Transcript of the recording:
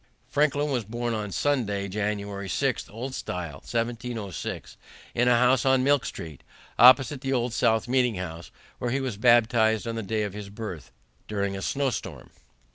Franklin was born on Sunday, January 6, old style, 1706, in a house on Milk Street, opposite the Old South Meeting House, where he was baptized on the day of his birth, during a snowstorm.